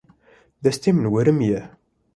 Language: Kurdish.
Destê min werimiye.